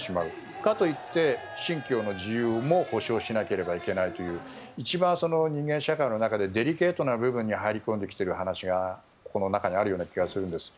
かといって信教の自由も保障しなければいけないという一番人間社会の中でデリケートな部分に入り込んできている話がこの中にはある気がするんです。